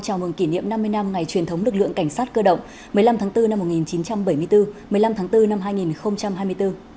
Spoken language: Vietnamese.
chào mừng kỷ niệm năm mươi năm ngày truyền thống lực lượng cảnh sát cơ động một mươi năm tháng bốn năm một nghìn chín trăm bảy mươi bốn một mươi năm tháng bốn năm hai nghìn hai mươi bốn